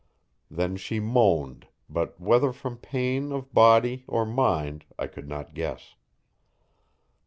Then she moaned, but whether from pain of body or mind I could not guess.